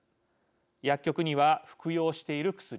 薬局には服用している薬。